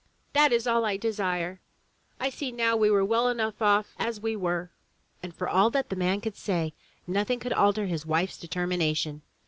"That is all I desire! I see now we were well enough off as we were!" And for all that the man could say, nothing could alter his wife's determination.